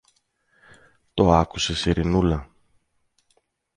Το άκουσες, Ειρηνούλα;